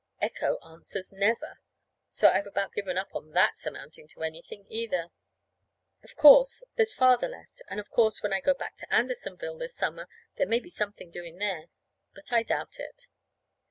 Echo answers never! So I've about given up that's amounting to anything, either. Of course, there's Father left, and of course, when I go back to Andersonville this summer, there may be something doing there. But I doubt it.